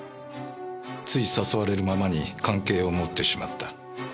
つい誘われるままに関係をもってしまった。